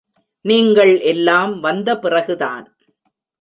நீங்கள் எல்லாம் வந்த பிறகுதான்.